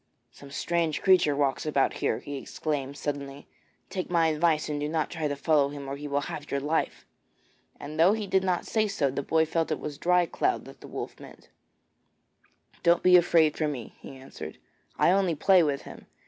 'Some strange creature walks about here,' he exclaimed suddenly. 'Take my advice and do not try to follow him or he will have your life.' And though he did not say so, the boy felt it was Dry cloud that the wolf meant. 'Don't be afraid for me,' he answered; 'I only play with him.